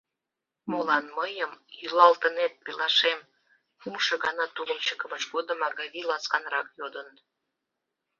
— Молан мыйым йӱлалтынет, пелашем? — кумшо гына тулым чыкымыж годым Агавий ласканрак йодын.